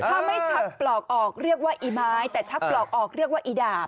ถ้าไม่ชักปลอกออกเรียกว่าอีไม้แต่ชักปลอกออกเรียกว่าอีดาบ